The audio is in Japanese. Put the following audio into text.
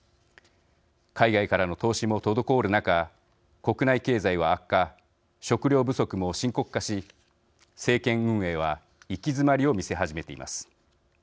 海外からの投資も滞る中国内経済は悪化食料不足も深刻化し政権運営は行き詰まりを見せ始めています。